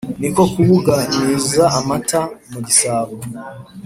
niko kubuganiza amata mu gisabo,